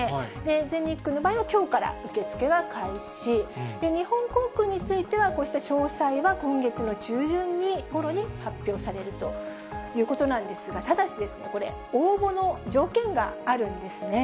全日空の場合は、きょうから受け付けが開始、日本航空については、こうした詳細は今月の中旬ごろに発表されるということなんですが、ただし、これ、応募の条件があるんですね。